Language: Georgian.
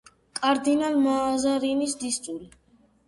კარდინალ მაზარინის დისწული.